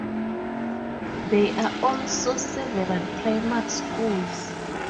There are also several primary schools.